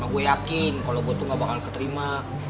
gue yakin kalo gue tuh gak bakal keterima